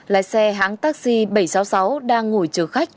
lái xe hãng taxi bảy trăm sáu mươi sáu đang ngồi chờ khách